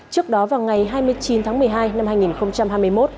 trước đó vào ngày hai mươi chín tháng một mươi hai năm hai nghìn hai mươi một